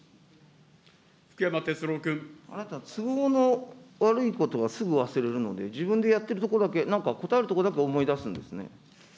あなた、都合の悪いことはすぐ忘れるので、自分でやってるところだけ、答えるところだけ思い出すんですね。